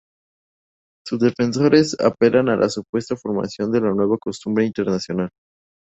Sus defensores apelan a la supuesta formación de una nueva costumbre internacional.